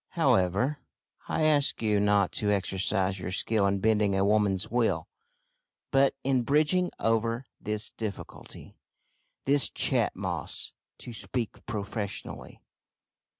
However, I ask you not to exercise your skill in bending a woman's will, but in bridging over this difficulty this Chat Moss, to speak professionally."